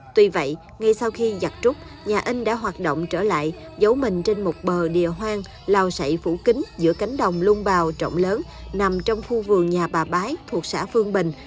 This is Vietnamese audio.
tuy vậy ngay sau khi giặt trút nhà in đã hoạt động trở lại giấu mình trên một bờ địa hoang lao sậy phủ kính giữa cánh đồng lung bào trọng lớn nằm trong khu vườn nhà bà bái thuộc xã phương bình